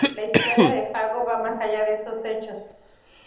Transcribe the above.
La historia de Fago va más allá de estos hechos.